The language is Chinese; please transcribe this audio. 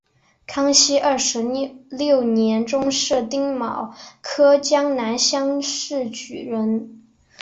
康熙二十六年中式丁卯科江南乡试举人。